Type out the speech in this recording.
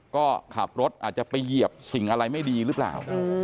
ก็ขับรถอาจจะไปเหยียบสิ่งอะไรไม่ดีหรือเปล่า